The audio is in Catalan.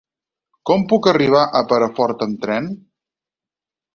Com puc arribar a Perafort amb tren?